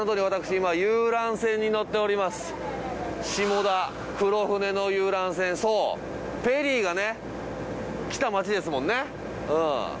今下田黒船の遊覧船そうペリーが来た街ですもんねうん。